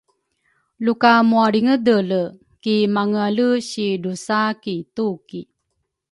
Luka mwalringedele ki mangeale si drusa ki tuki